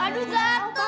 adam sampai sama pak